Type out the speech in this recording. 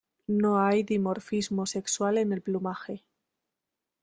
No hay dimorfismo sexual en el plumaje.